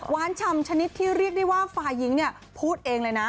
ว้านชำชนิดที่เรียกได้ว่าฝ่ายิงพูดเองเลยนะ